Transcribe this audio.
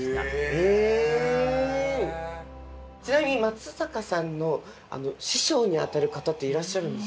ちなみに松坂さんの師匠にあたる方っていらっしゃるんですか？